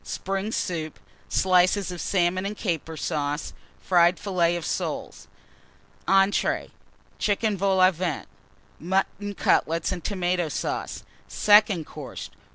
Spring Soup. Slices of Salmon and Caper Sauce. Fried Filleted Soles. ENTREES. Chicken Vol au Vent. Mutton Cutlets and Tomato Sauce. SECOND COURSE.